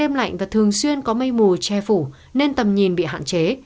đêm lạnh và thường xuyên có mây mù che phủ nên tầm nhìn bị hạn chế